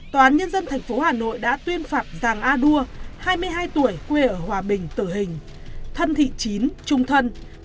tòa án nhân dân thành phố hà nội đã tuyên phạm giàng a đua hai mươi hai tuổi quê ở hòa bình tử hình thân thị chín trung thân